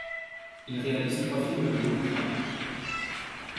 Il réalise trois films de long métrage.